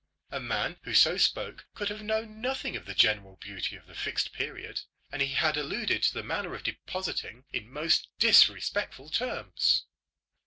A man who so spoke could have known nothing of the general beauty of the Fixed Period. And he had alluded to the manner of depositing in most disrespectful terms.